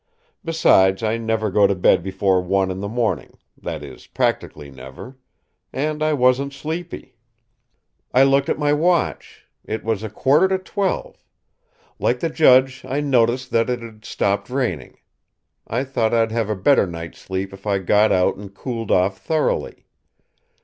Besides, I never go to bed before one in the morning that is, practically never. And I wasn't sleepy. "I looked at my watch. It was a quarter to twelve. Like the judge, I noticed that it had stopped raining. I thought I'd have a better night's sleep if I got out and cooled off thoroughly.